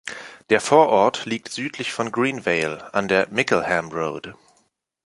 Der Vorort liegt südlich von Greenvale, an der Mickleham Road.